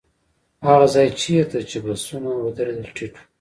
هغه ځای چېرته چې بسونه ودرېدل ټيټ و.